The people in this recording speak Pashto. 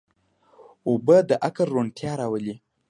اوبه د عقل روڼتیا راولي.